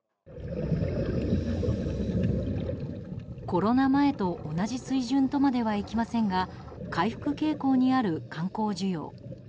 コロナ前と同じ水準とまではいきませんが回復傾向にある観光需要。